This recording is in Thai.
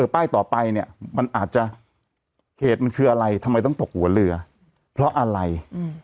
มันถอดหน้ากากไหมคุณถอดไหม